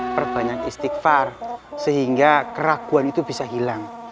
perbanyak istighfar sehingga keraguan itu bisa hilang